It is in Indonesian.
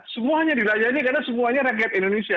semuanya dirayani karena semuanya rakyat indonesia